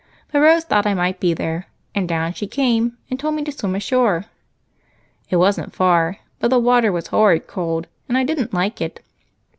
But Rose thought I might be there, and down she came, and told me to swim ashore. It wasn't far, but the water was horrid cold, and I didn't like it.